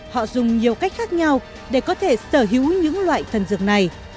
họ dùng nhiều cách khác nhau để có thể sở hữu những loại thần dược này